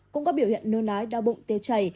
cũng có biểu hiện nôn nái đau bụng tiêu chảy